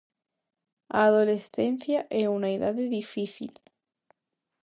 A adolescencia é unha idade difícil.